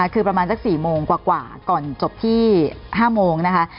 คือประมาณ๔๐๐นกว่ากว่าก่อนจบที่๒๐๐๐นนะคะ